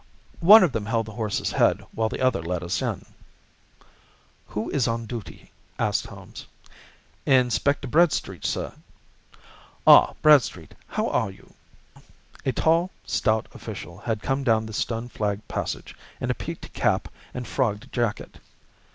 One of them held the horse's head while the other led us in. "Who is on duty?" asked Holmes. "Inspector Bradstreet, sir." "Ah, Bradstreet, how are you?" A tall, stout official had come down the stone flagged passage, in a peaked cap and frogged jacket.